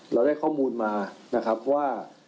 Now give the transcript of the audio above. เราได้ข้อมูลมานะครับว่า